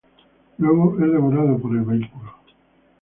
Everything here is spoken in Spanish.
Luego es devorado por el vehículo.